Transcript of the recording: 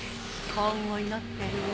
幸運を祈ってるわ。